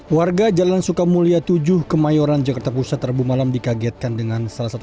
warga jalan sukamulya tujuh kemayoran jakarta pusat rabu malam dikagetkan dengan salah satu